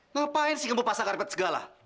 ngapain sih kamu pasang red carpet segala